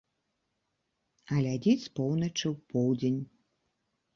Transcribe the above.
Глядзіць з поўначы ў поўдзень.